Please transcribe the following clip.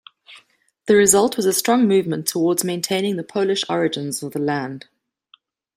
The result was a strong movement towards maintaining the Polish origins of the land.